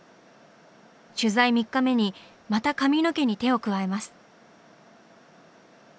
取材３日目にまた髪の毛に手を加えます！